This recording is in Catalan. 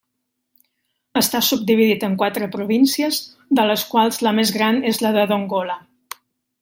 Està subdividit en quatre províncies de les quals la més gran és la de Dongola.